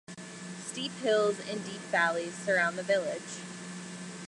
Steep hills and deep valleys surround the village.